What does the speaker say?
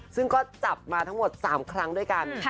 ซึ่งก็จับมาทั้งหมด๓ครั้งด้วยกัน